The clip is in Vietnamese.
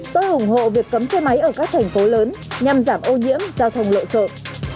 tôi ủng hộ việc cấm xe máy ở các thành phố lớn nhằm giảm ô nhiễm giao thông lộ sợ